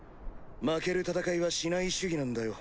負ける戦いはしない主義なんだよ。